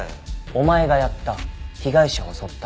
「お前がやった」「被害者を襲った」